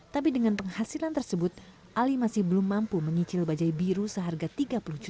tapi dengan penghasilan tersebut ali masih belum mampu menyicil bajai biru seharga rp tiga puluh juta